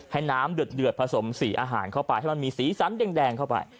ให้น้ำเดือดผสมสีอาหารเข้าไปให้มันมีสีสันแดงเข้าไป